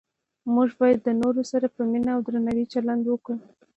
موږ باید د نورو سره په مینه او درناوي چلند وکړو